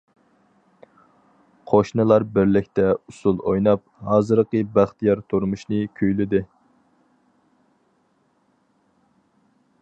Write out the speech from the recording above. قوشنىلار بىرلىكتە ئۇسسۇل ئويناپ، ھازىرقى بەختىيار تۇرمۇشنى كۈيلىدى.